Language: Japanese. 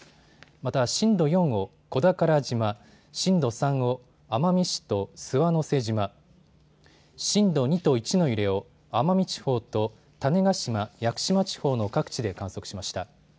また震度４を小宝島、震度３を奄美市と諏訪之瀬島、震度２と１の揺れを奄美地方と種子島・屋久島地方の各地で観測しました。